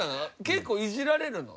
結構いじられるの？